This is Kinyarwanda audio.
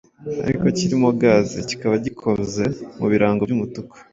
ariko kirimo gaz, kikaba gikoze mu birango by’umutuku